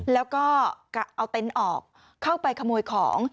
แล้วก็กะเอาเต็นต์ออกเข้าไปขโมยของ